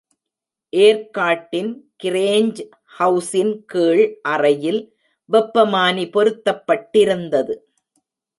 ஏர்க்காட்டின் Grange housing கீழ் அறையில் வெப்பமானி பொருத்தப்பட்டிருந்தது.